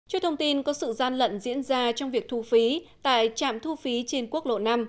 trước thông tin có sự gian lận diễn ra trong việc thu phí tại trạm thu phí trên quốc lộ năm